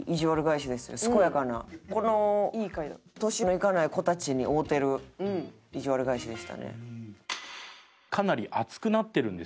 この年のいかない子たちに合うてるいじわる返しでしたね。